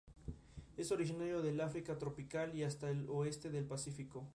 Es originario del África tropical hasta el oeste del Pacífico.